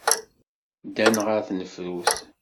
Ddant ɣer tnefrut.